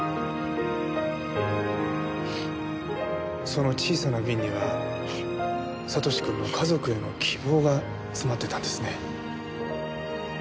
その小さな瓶には悟志君の家族への希望が詰まってたんですね。